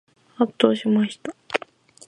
圧倒しました。